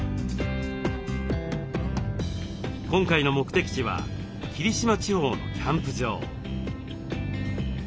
今回の目的地は霧島地方のキャンプ場。